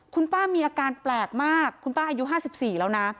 คุณป้ามีอาการแปลกมากคุณป้าอายุห้าสิบสี่แล้วน่ะ